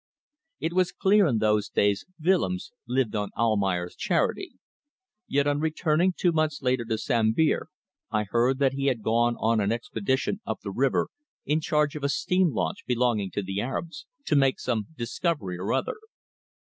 It was clear that in those days Willems lived on Almayer's charity. Yet on returning two months later to Sambir I heard that he had gone on an expedition up the river in charge of a steam launch belonging to the Arabs, to make some discovery or other.